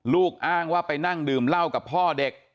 อ้างว่าไปนั่งดื่มเหล้ากับพ่อเด็ก